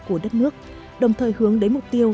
của đất nước đồng thời hướng đến mục tiêu